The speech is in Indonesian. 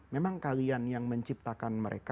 memang kalian yang menciptakan mereka